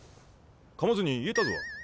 かまずに言えたぞ。